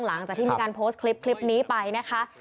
หลังจากที่มีการโพสต์คลิปนี้ไปนะคะ